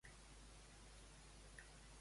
Gossos és el meu grup favorit.